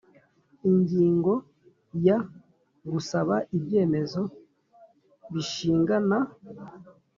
Ingingo ya gusaba ibyemezo bishingana